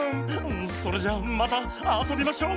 それじゃまたあそびましょ。